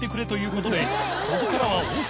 ここからは森川）